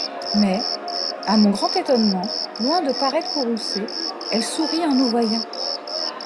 Mais, à mon grand étonnement, Loin de paraître courroucée Elle sourit en nous voyant !